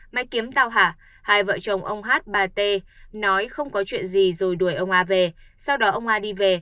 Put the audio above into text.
mày kiếm tao hả hai vợ chồng ông h bà t nói không có chuyện gì rồi đuổi ông a về